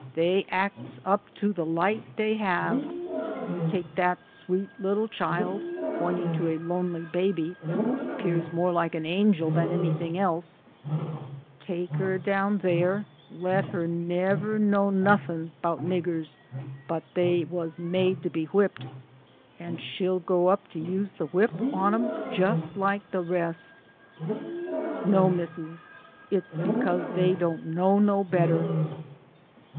Dey acts up to de light dey hab. Yon take dat sweet little child (pointing to a APPENDIX. 113 lonely baby) 'pears more like an angel dan any ting else take her down dere, let her nebber know nothing 'bout niggers but they was made to be whipped, an' she '11 grow up to use the whip on 'em jus' like de rest. No, Missus, its because dey don't know no better."